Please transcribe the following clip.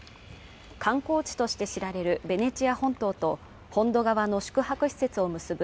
観光地として知られるベネチア本島と本土側の宿泊施設を結ぶ